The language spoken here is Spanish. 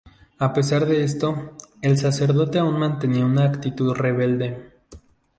A pesar de esto, el sacerdote aún mantenía una actitud rebelde.